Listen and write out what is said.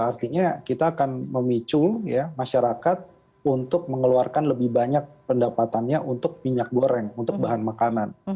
artinya kita akan memicu ya masyarakat untuk mengeluarkan lebih banyak pendapatannya untuk minyak goreng untuk bahan makanan